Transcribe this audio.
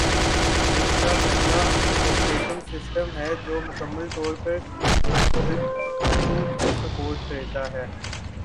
vista پہلا operating system ہے جو مکمل طور پر بٹ کو سپورٹ کرتا ہے